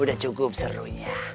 udah cukup serunya